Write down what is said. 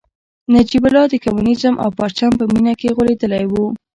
نجیب الله د کمونیزم او پرچم په مینه کې غولېدلی و